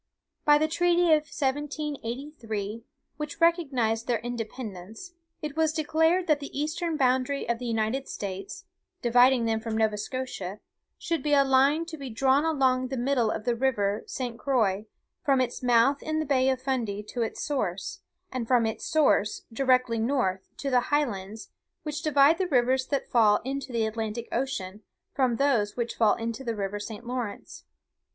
"By the treaty of 1783, which recognised their independence, it was declared that the eastern boundary of the United States, dividing them from Nova Scotia, should be 'a line to be drawn along the middle of the river St. Croix, from its mouth in the bay of Fundy to its source, and from its source, directly north, to the highlands, which divide the rivers that fall into the Atlantic Ocean from those which fall into the river St. Lawrence.